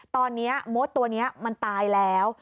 ตอนนี้มดตัวนี้มันตายแล้ว